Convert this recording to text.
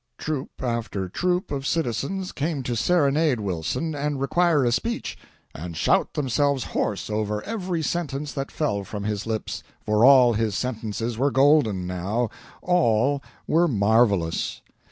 Troop after troop of citizens came to serenade Wilson, and require a speech, and shout themselves hoarse over every sentence that fell from his lips for all his sentences were golden, now, all were marvelous.